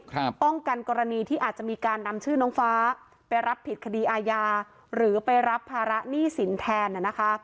ป้องกันกรณีที่อาจจะมีการนำชื่อน้องฟ้าไปรับผิดคดีอาญาหรือไปรับภาระหนี้สินแทนน่ะนะคะ